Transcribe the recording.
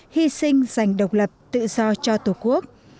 hy sinh giành độc lập tự do cho tổ quốc